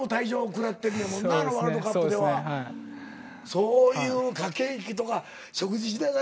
そういう駆け引きとか食事しながら。